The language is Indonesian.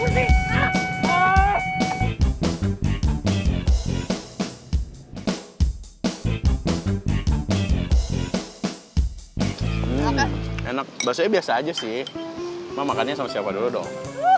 enak enak biasanya biasa aja sih mau makannya sama siapa dulu dong